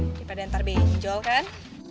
daripada ntar benjol kan